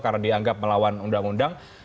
karena dianggap melawan undang undang